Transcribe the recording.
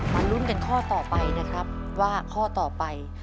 ลุ้นกันข้อต่อไปนะครับว่าข้อต่อไป